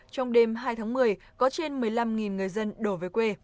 trong đêm hai tháng một mươi có trên một mươi năm người dân đổ về quê